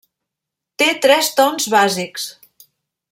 Té tres tons bàsics.